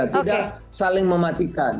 tidak saling mematikan